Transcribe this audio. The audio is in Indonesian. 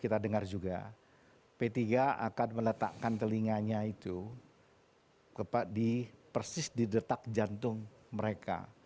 kita dengar juga p tiga akan meletakkan telinganya itu persis di detak jantung mereka